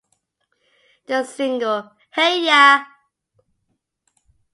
The single Hey Ya!